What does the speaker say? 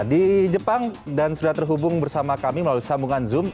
di jepang dan sudah terhubung bersama kami melalui sambungan zoom